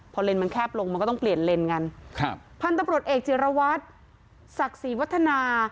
พอเลนมันแคบลงมันก็ต้องเปลี่ยนเลนกันครับพันธุ์ตำรวจเอกจิรวัตรศักดิ์ศรีวัฒนา